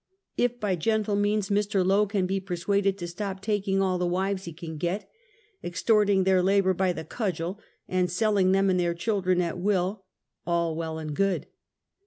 If by gentle means Mr. Lo can be persnaded to stop tak ing all the wives he can get, extorting their labor by the cudgel, and selling them and their children at will, all well and good!